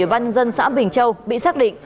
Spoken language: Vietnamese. ủy ban dân xã bình châu bị xác định